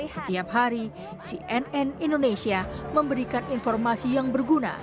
setiap hari cnn indonesia memberikan informasi yang berguna